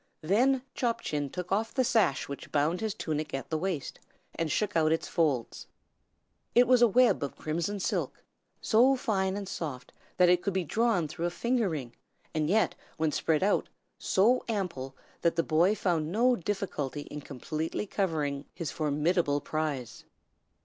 Then Chop Chin took off the sash which bound his tunic at the waist, and shook out its folds. It was a web of crimson silk, so fine and soft that it could be drawn through a finger ring, and yet, when spread out, so ample that the boy found no difficulty in completely covering with it his formidable prize.